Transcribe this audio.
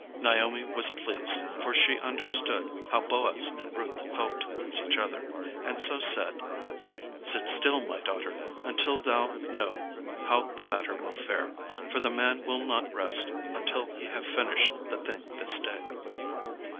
Naomi was pleased, for she understood how Boaz and Ruth felt towards each other, and so said: _"Sit still, my daughter, until thou know how the matter will fare; for the man will not rest until he have finished the thing this day."